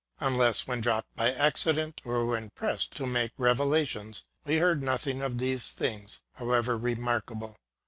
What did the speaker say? Unless when dropped by accident, or when pressed to make reve lations, we heard nothing of tliese things, however remarkable.